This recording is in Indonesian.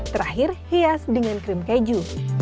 terakhir hias dengan krim keju